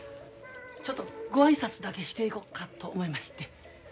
ちょっとご挨拶だけしていこかと思いまして。